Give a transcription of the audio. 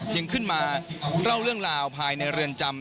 ยังขึ้นมาเล่าเรื่องราวภายในเรือนจำ